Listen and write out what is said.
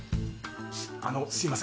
あのすいません。